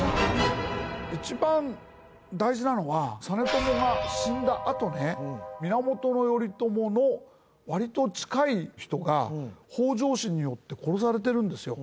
一番大事なのは実朝が死んだあとね源頼朝の割と近い人が北条氏によって殺されてるんですよ